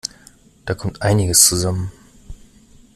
Da kommt einiges zusammen.